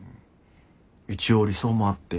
一応理想もあって。